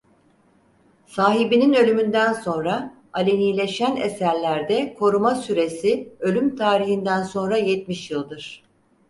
Sahibinin ölümünden sonra alenileşen eserlerde koruma süresi ölüm tarihinden sonra yetmiş yıldır.